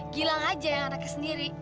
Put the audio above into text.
gilang aja yang anaknya sendiri